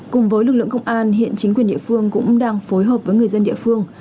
cùng với lực lượng công an hiện chính quyền địa phương cũng đang phối hợp với người dân địa phương